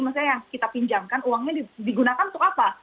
maksudnya yang kita pinjamkan uangnya digunakan untuk apa